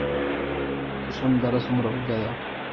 کشم دره څومره اوږده ده؟